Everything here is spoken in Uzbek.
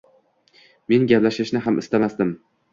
Men gaplashishni ham istamasdim